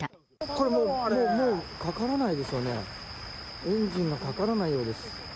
これもう、かからないですよね、エンジンがかからないようです。